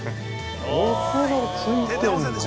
◆お風呂ついてんの？